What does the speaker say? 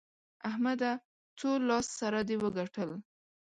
احمده! څو لاس سره دې وګټل؟